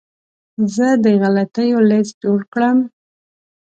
زه د غلطیو لیست جوړ کړم.